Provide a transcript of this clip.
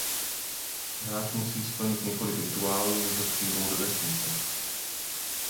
Hráč musí splnit několik rituálů než ho přijmou do vesnice.